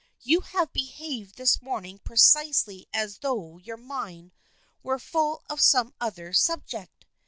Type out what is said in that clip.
You have behaved this morning precisely as though your mind were full of some other sub ject.